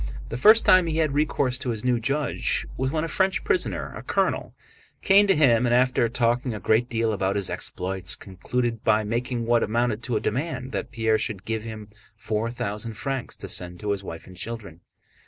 The first time he had recourse to his new judge was when a French prisoner, a colonel, came to him and, after talking a great deal about his exploits, concluded by making what amounted to a demand that Pierre should give him four thousand francs to send to his wife and children.